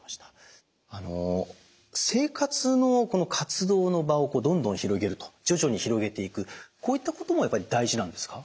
生活の活動の場をどんどん広げると徐々に広げていくこういったこともやっぱり大事なんですか？